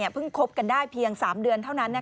คบกันได้เพียง๓เดือนเท่านั้น